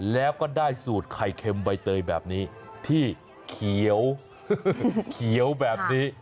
แล้วก็ได้สูตรไข่เค็มใบเตยแบบนี้ที่เขียวแบบนี้